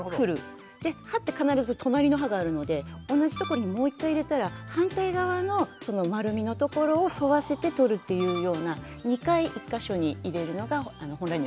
で歯って必ず隣の歯があるので同じとこにもう一回入れたら反対側のその丸みのところを沿わせてとるっていうような２回１か所に入れるのが本来のやり方で。